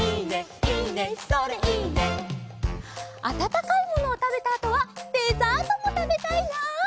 あたたかいものをたべたあとはデザートもたべたいなあ！